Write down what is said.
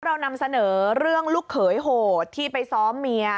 เรานำเสนอเรื่องลูกเขยโหดที่ไปซ้อมเมีย